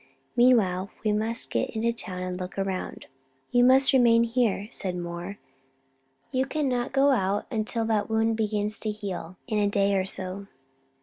Meanwhile, we must get into town and look around." "You must remain here," said Moore. "You cannot go out until that wound begins to heal in a day or so."